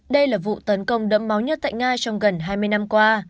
đây là vụ tấn công đẫm máu nhất tại nga trong gần hai mươi năm qua